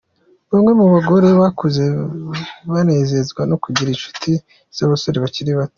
Bamwe mu bagore bakuze banezezwa no kugira inshuti z’abasore bakiri bato